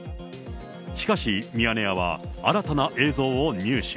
しかし、ミヤネ屋は新たな映像を入手。